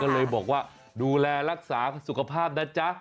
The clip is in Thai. ก็เลยบอกว่าดูแลรักษาสุขภาพนะจ๊ะ